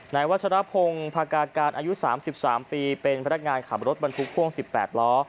นายวัชรพงศ์พากาการอายุ๓๓ปีเป็นพนักงานขับรถบรรทุกพ่วง๑๘ล้อ